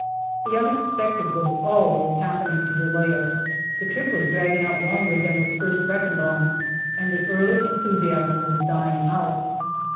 The unexpected was always happening to delay us. The trip was dragging out longer than was first reckoned on, and the early enthusiasm was dying out.